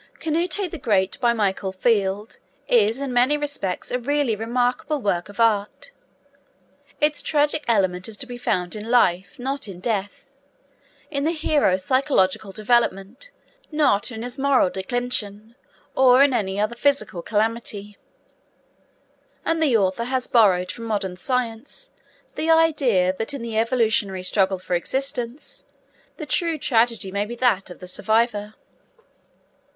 Canute The Great, by Michael Field, is in many respects a really remarkable work of art. Its tragic element is to be found in life, not in death; in the hero's psychological development, not in his moral declension or in any physical calamity; and the author has borrowed from modern science the idea that in the evolutionary struggle for existence the true tragedy may be that of the survivor.